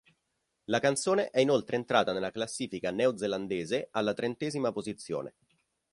La canzone è inoltre entrata nella classifica neozelandese alla trentesima posizione.